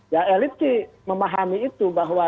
ya elit sih memahami itu bahwa